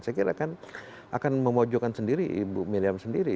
saya kira kan akan memojokkan sendiri ibu miriam sendiri